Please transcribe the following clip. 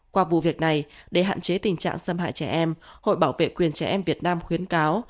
qua vụ việc này để hạn chế tình trạng xâm hại trẻ em hội bảo vệ quyền trẻ em việt nam khuyến cáo